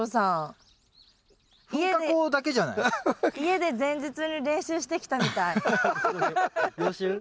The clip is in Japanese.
家で前日に練習してきたみたい。予習？